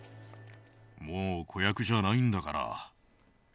「もう子役じゃないんだから」。